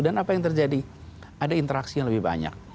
dan apa yang terjadi ada interaksi yang lebih banyak